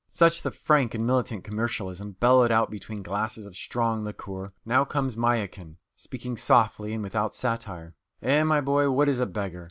Such the frank and militant commercialism, bellowed out between glasses of strong liquor. Now comes Mayakin, speaking softly and without satire: "Eh, my boy, what is a beggar?